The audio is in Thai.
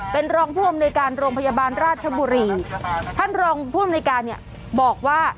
เป็นรองผู้อำนวยการโรงพยาบาลราชบุรีท่านรองผู้อำนวยการเนี่ยบอกว่า